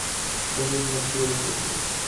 Ellos no tuvieron hijos.